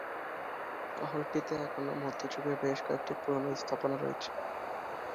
শহরটিতে এখনও মধ্যযুগের বেশ কয়েকটি পুরনো স্থাপনা রয়েছে।